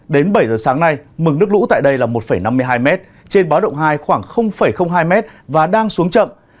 đến bảy giờ sáng nay mực nước lũ tại đây là một năm mươi hai m trên báo động hai khoảng hai m và đang xuống chậm